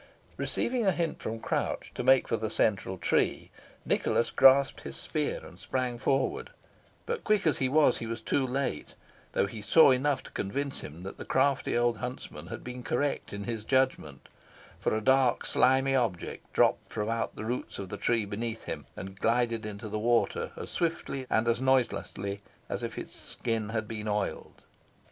Receiving a hint from Crouch to make for the central tree, Nicholas grasped his spear, and sprang forward; but, quick as he was, he was too late, though he saw enough to convince him that the crafty old huntsman had been correct in his judgment; for a dark, slimy object dropped from out the roots of the tree beneath him, and glided into the water as swiftly and as noiselessly as if its skin had been oiled.